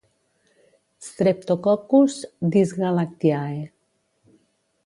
Streptococcus dysgalactiae.